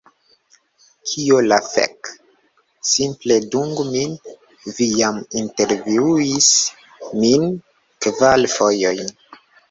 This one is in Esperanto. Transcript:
Kio la fek?! Simple dungu min, vi jam intervjuis min kvar fojojn!